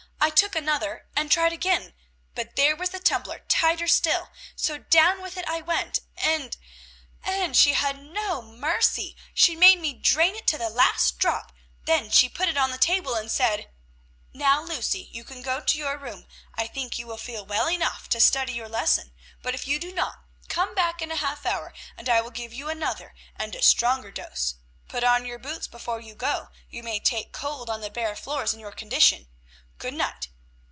I took another, and tried again, but there was the tumbler tighter still, so down with it I went, and and she had no mercy; she made me drain it to the last drop; then she put it on the table, and said, "'Now, Lucy, you can go to your room; I think you will feel well enough to study your lesson, but if you do not, come back in a half hour, and I will give you another, and a stronger dose. Put on your boots before you go; you may take cold on the bare floors, in your condition. Good night.'